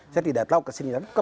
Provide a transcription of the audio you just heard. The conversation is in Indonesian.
saya tidak tahu kesini dan sana